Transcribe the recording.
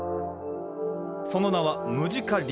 その名は「ムジカリブロ」。